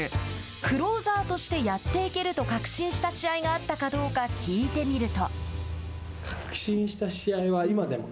クローザーとしてやっていけると確信した試合があったかどうか聞いてみると。